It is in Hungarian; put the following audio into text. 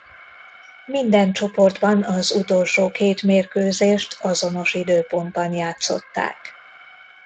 Minden csoportban az utolsó két mérkőzést azonos időpontban játszották.